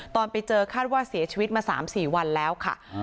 ตอนไปเจอคาดว่าเสียชีวิตมา๓๔วันแล้วค่ะ